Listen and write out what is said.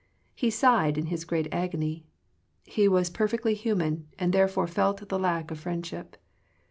He sighed in His great agony. He was perfectly hu man, and therefore felt the lack of friendship.